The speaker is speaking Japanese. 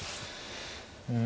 うん。